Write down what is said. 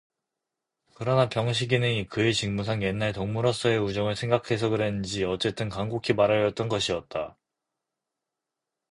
그러나 병식이는 그의 직무상 옛날 동무로서의 우정을 생각해서 그랬는지 어쨌든 간곡히 말하였던 것이다.